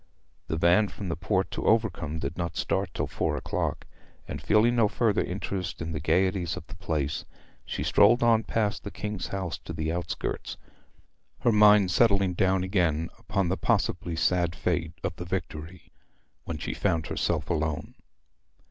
The van from the port to Overcombe did not start till four o'clock, and feeling no further interest in the gaieties of the place, she strolled on past the King's house to the outskirts, her mind settling down again upon the possibly sad fate of the Victory when she found herself alone.